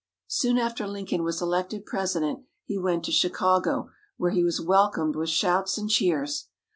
Soon after Lincoln was elected President, he went to Chicago, where he was welcomed with shouts and cheers.